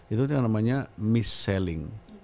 itu yang namanya miss selling